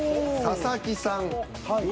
佐々木さん。